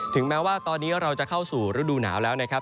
แม้ว่าตอนนี้เราจะเข้าสู่ฤดูหนาวแล้วนะครับ